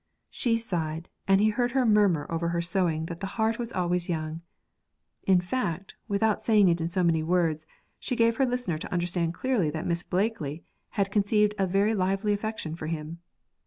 She sighed; and he heard her murmur over her sewing that the heart was always young. In fact, without saying it in so many words, she gave her listener to understand clearly that Miss Blakely had conceived a very lively affection for him.